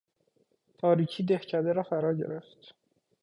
تاریکی دهکده را فرا گرفت.